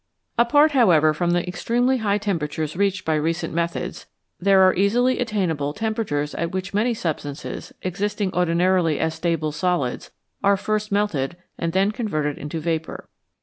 Apart, however, from the extremely high temperatures reached by recent methods, there are easily attainable temperatures at which many substances, existing ordinarily as stable solids, are first melted and then converted into vapour.